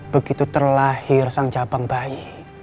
begitu terlahir sang cabang bayi